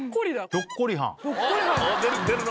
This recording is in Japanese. ひょっこりはん！